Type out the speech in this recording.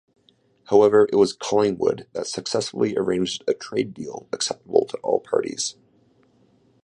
However, it was Collingwood that successfully arranged a trade deal acceptable to all parties.